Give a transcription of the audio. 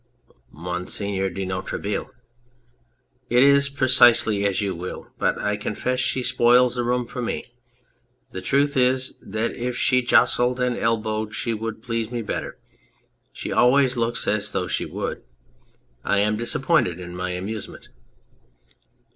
MONSIEUR DE NOIRETABLE. It is precisely as you will, but I confess she spoils a room for me. The truth is that if she jostled and elbowed she would please me better ; she always looks as though she would. I am disappointed in my amusement.